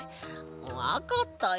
わかったよ。